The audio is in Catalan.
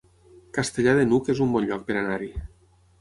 Castellar de n'Hug es un bon lloc per anar-hi